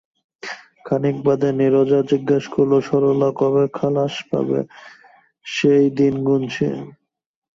খানিক বাদে নীরজা জিজ্ঞাসা করলে, সরলা কবে খালাস পাবে সেই দিন গুণছি।